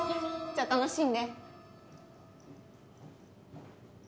じゃあ楽しんで。